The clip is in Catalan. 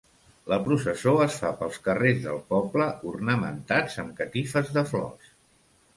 La processó es fa pels carrers del poble, ornamentats amb catifes de flors.